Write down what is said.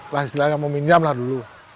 lah istilahnya meminjamlah dulu